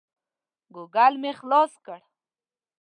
ګوګل مې خلاص کړ.